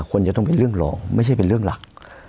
ควรจะต้องเป็นเรื่องรองไม่ใช่เป็นเรื่องหลัก